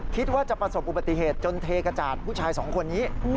คิดว่าจะประสบอุบัติเหตุจนเทกระจาดผู้ชายสองคนนี้